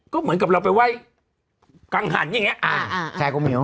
ก็เหมือนกับเราไปไหว้กังหันอย่างนี้